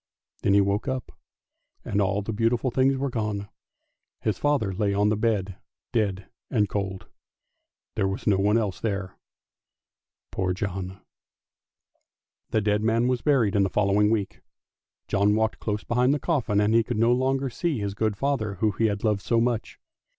Then he woke up, and all the beautiful things were gone; his father lay on the bed dead and cold, and there was no one else there, poor John! The dead man was buried in the following week ; John walked close behind the coffin, and he could no longer see his good father who had loved him so much.